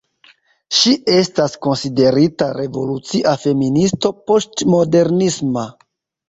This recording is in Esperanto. Ŝi estas konsiderita revolucia feministo poŝtmodernisma.